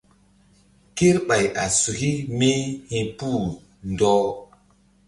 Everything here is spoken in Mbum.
Kerɓay a suki mí hi̧puh ɗɔh.